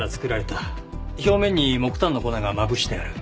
表面に木炭の粉がまぶしてある。